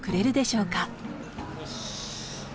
よし。